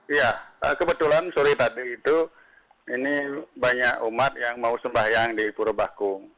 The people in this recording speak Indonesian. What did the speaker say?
iya kebetulan sore tadi itu ini banyak umat yang mau sembahyang di purobaku